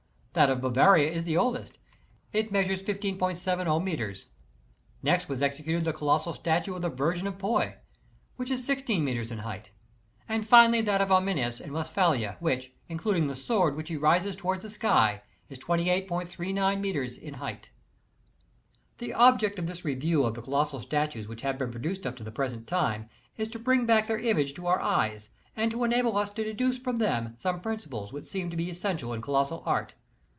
That of Bavaria is the oldest It measures i5.70 metres. Next was executed the colossal statue of the Virgin of Puy, which is i6 metres in height; and finally that of Arminius in Westphalia which, including the sword which he raises toward the sky, is 28.30 metres in height. ' The object of this review of the colossal statues which have been produced up to the present time, is to bring back their image to our eyes, and to enable us to deduce from them some principles which seem to be essential in colossal art.